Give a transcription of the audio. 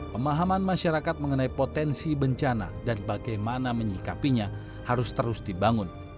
pemahaman masyarakat mengenai potensi bencana dan bagaimana menyikapinya harus terus dibangun